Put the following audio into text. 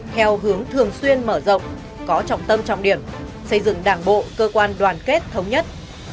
theo hướng thường xuyên mở rộng có trọng tâm trọng điểm xây dựng đảng bộ cơ quan đoàn kết thống nhất